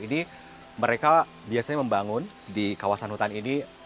ini mereka biasanya membangun di kawasan hutan ini